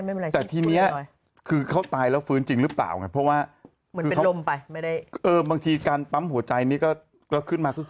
แต่ทีนี้คือเขาตายแล้วฟื้นจริงหรือเปล่าไงเพราะว่าเหมือนเป็นลมไปไม่ได้เออบางทีการปั๊มหัวใจนี่ก็ขึ้นมาคือ